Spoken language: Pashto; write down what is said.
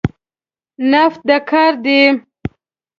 نفت د کار دی.